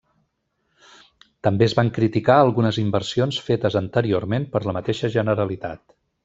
També es van criticar algunes inversions fetes anteriorment per la mateixa Generalitat.